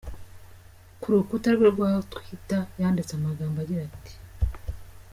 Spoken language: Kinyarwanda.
Ku rukuta rwe rwa twitter yanditse amagambo agira ati:.